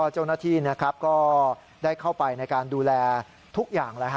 เจ้าหน้าที่ก็ได้เข้าไปในการดูแลทุกอย่าง